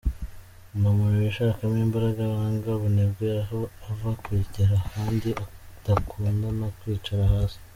Ni umuntu wishakamo imbaraga, wanga ubunebwe aho ava akagera kandi udakunda kwicara hasi.